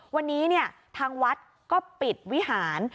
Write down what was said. วันนี้ทางวัดก็ปิดวิหาร